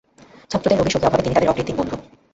ছাত্রদের রোগে, শোকে, অভাবে তিনি তাদের অকৃত্রিম বন্ধু।